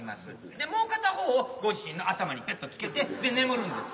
でもう片方をご自身の頭にペッと着けて眠るんです。